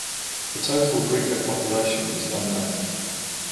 The total Griqua population is unknown.